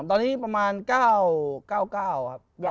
ตอนนี้ประมาณ๙๙๙ครับ